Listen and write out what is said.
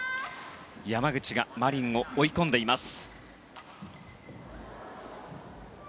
山口がマリンを追い込んでいます。